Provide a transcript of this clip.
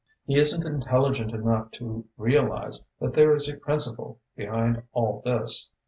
He isn't intelligent enough to realise that there is a principle behind all this.